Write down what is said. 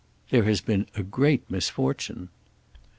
"There has been a great misfortune."